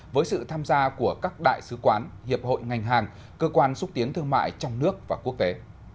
với sự tham gia của các đại sứ quán hiệp hội ngành hàng cơ quan xúc tiến thương mại trong nước và quốc tế